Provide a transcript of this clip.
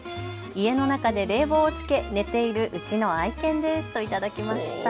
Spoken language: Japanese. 家の中で冷房をつけて寝ているうちの愛犬ですといただきました。